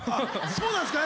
そうなんですか？